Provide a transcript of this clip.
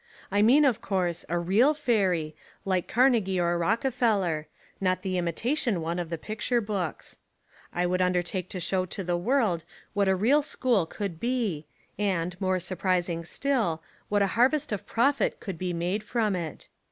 I mean, of course, a real fairy like Carnegie or Rockefeller, not the imitation one of the picture books. I would undertake to show to the world what a real school could be and, more surprising still, what a harvest of profit could be made from it.